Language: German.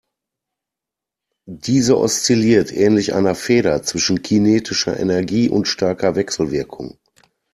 Diese oszilliert ähnlich einer Feder zwischen kinetischer Energie und starker Wechselwirkung.